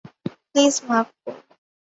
Please, মাফ করবেন।